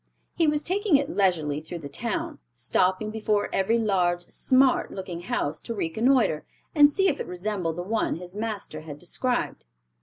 He was taking it leisurely through the town, stopping before every large "smart" looking house to reconnoiter, and see if it resembled the one his master had described.